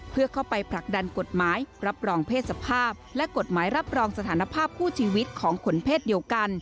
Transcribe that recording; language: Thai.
เพื่อเข้าไปผลักดันกฎหมายรับรองเพศสภาพและกฎหมายรับรองสถานภาพคู่ชีวิตของคนเพศเดียวกัน